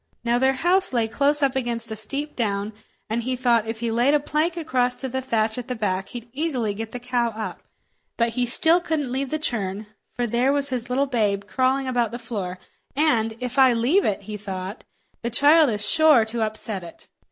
Now their house lay close up against a steep down, and he thought if he laid a plank across to the thatch at the back he'd easily get the cow up. But still he couldn't leave the churn, for there was his little babe crawling about the floor, and "if I leave it," he thought, "the child is sure to upset it!"